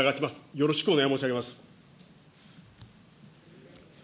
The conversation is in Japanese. よろしくお願い申し上げます。